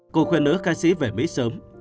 cô khuyên nữ ca sĩ về mỹ sớm